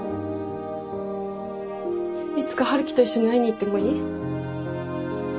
いつか春樹と一緒に会いに行ってもいい？